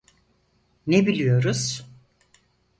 Ne biliyoruz?